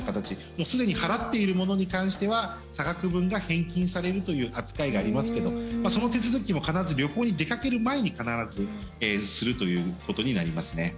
もうすでに払っているものに関しては差額分が返金されるという扱いがありますけどその手続きも必ず旅行に出掛ける前にするということになりますね。